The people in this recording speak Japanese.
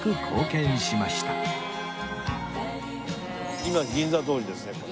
今銀座通りですねこれ。